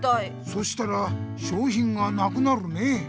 そしたらしょうひんがなくなるね。